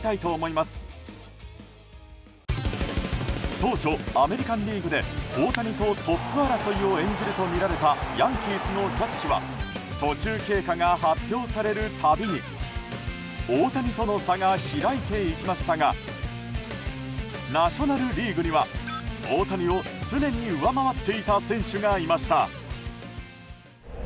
当初、アメリカン・リーグで大谷とトップ争いを演じるとみられたヤンキースのジャッジは途中経過が発表されるたびに大谷との差が開いていきましたがナショナル・リーグには大谷を常に上回っていた選手がいました。